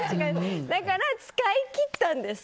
だから、使い切ったんです。